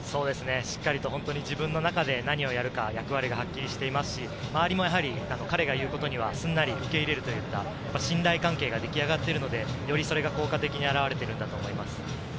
しっかりと自分の中で何をやるか役割がはっきりしていますし、周りも彼が言うことには、すんなり受け入れるというか信頼関係が出来上がっているので、よりそれが効果的に現れてくるんだと思います。